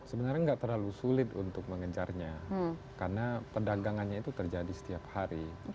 sebenarnya nggak terlalu sulit untuk mengejarnya karena perdagangannya itu terjadi setiap hari